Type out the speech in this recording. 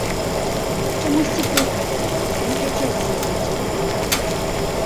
Чамусьці прыкра было, не хацелася з ім цяпер гаварыць.